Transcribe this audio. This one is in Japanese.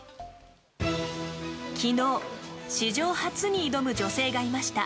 昨日、史上初に挑む女性がいました。